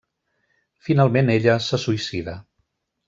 Finalment ella se suïcida.